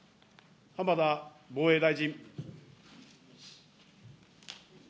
浜田防衛大臣。